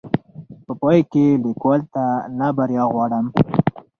په پاى کې ليکوال ته لا بريا غواړم